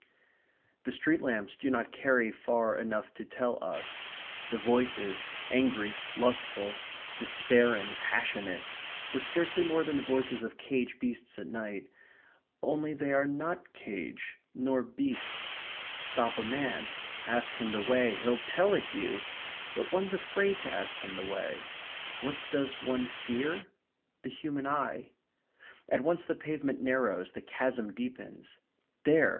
The street lamps do not carry far enough to tell us. The voices, angry, lustful, despairing, passionate, were scarcely more than the voices of caged beasts at night. Only they are not caged, nor beasts. Stop a man; ask him the way; he'll tell it you; but one's afraid to ask him the way. What does one fear? the human eye. At once the pavement narrows, the chasm deepens. There!